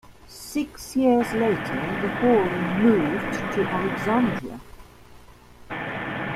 Six years later the Hall moved to Alexandria.